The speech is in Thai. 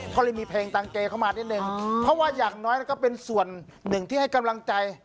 ก็เลยมีเพลงตังเกเข้ามานิดนึงเพราะว่าอย่างน้อยแล้วก็เป็นส่วนหนึ่งที่ให้กำลังใจ